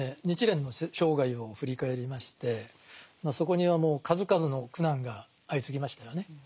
日蓮の生涯を振り返りましてそこにはもう数々の苦難が相次ぎましたよね。